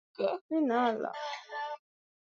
Fidel Castro alianza kuumwa mwaka elfu mbili na sita